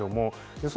予想